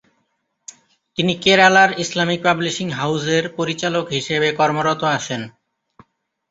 তিনি কেরালার Islamic publishing house এর পরিচালক হিসেবে কর্মরত আছেন।